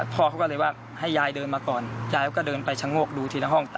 พ่อเขาก็เลยว่าให้ยายเดินมาก่อนยายก็เดินไปชะโงกดูทีละห้อง